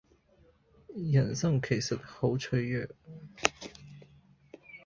人生其實很脆弱